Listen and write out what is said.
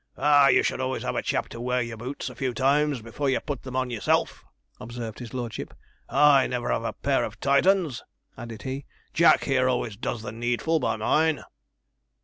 'Ah! you should always have a chap to wear your boots a few times before you put them on yourself,' observed his lordship. 'I never have a pair of tight uns,' added he; 'Jack here always does the needful by mine.'